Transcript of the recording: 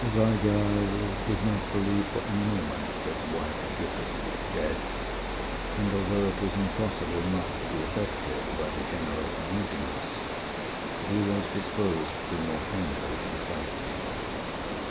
Weigall did not believe for a moment that Wyatt Gifford was dead, and although it was impossible not to be affected by the general uneasiness, he was disposed to be more angry than frightened.